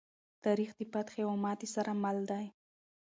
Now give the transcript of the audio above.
تاریخ د فتحې او ماتې سره مل دی.